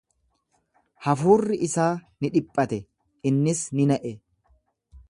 Hafuurri isaa ni dhiphate, innis ni na'e.